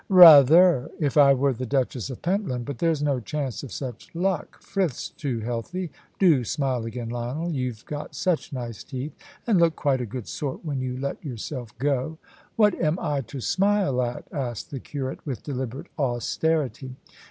"Rather if I were the Duchess of Pentland. But there's no chance of such luck. Frith's too healthy. Do smile again, Lionel you've got such nice teeth, and look quite a good sort when you let yourself go." "What am I to smile at?" asked the curate, with deliberate austerity.